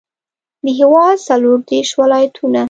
د هېواد څلوردېرش ولایتونه.